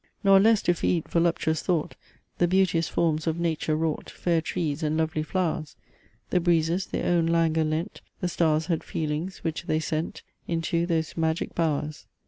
Nor less, to feed voluptuous thought, The beauteous forms of nature wrought, Fair trees and lovely flowers; The breezes their own languor lent; The stars had feelings, which they sent Into those magic bowers.